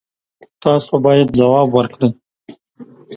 تاسو باید ځواب ورکړئ.